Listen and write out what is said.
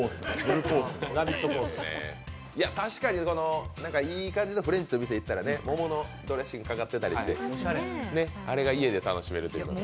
確かにいい感じのフレンチのお店行ったら桃のドレッシングがかかっていたりしてあれが家で楽しめるというね。